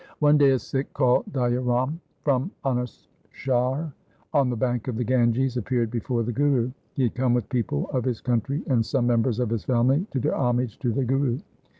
One day a Sikh called Daya Ram, from Anupshahr on the bank of the Ganges, appeared before the Guru. He had come with people of his country and some members of his family to do homage to the Guru.